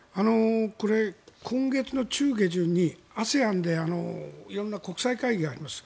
これ、今月中下旬にＡＳＥＡＮで色んな国際会議があります。